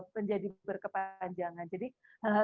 menjadi berkepanjangan jadi hal hal